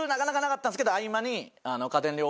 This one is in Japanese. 合間に。